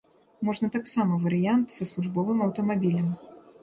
Можна таксама варыянт са службовым аўтамабілем.